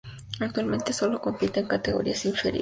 Actualmente solo compite en categorías inferiores.